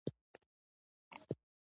دوی غواړي په راتلونکي کې اتلان شي.